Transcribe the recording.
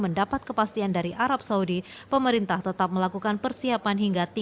mendapat kepastian dari arab saudi pemerintah tetap berpikir bahwa jamaah ini akan menjadi